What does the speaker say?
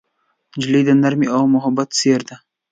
نجلۍ د نرمۍ او محبت څېره ده.